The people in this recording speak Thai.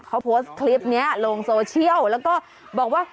เขาโพสต์คลิปนี้ลงโซเชียลแล้วก็บอกว่า